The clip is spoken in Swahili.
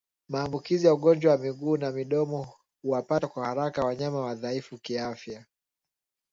Maambukizi ya ugonjwa wa miguu na midomo huwapata kwa haraka wanyama wadhaifu kiafya